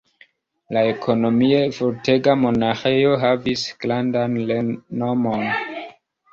La ekonomie fortega monaĥejo havis grandan renomon.